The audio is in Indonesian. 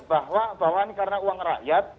bahwa ini karena uang rakyat